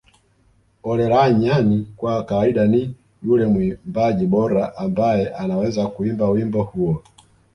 Olaranyani kwa kawaida ni yule mwimbaji bora ambaye anaweza kuimba wimbo huo